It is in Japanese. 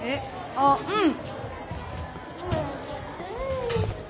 あっうん！